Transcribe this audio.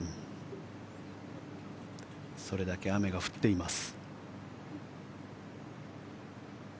それだけ雨が降っています。